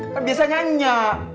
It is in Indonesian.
kan biasa nyanya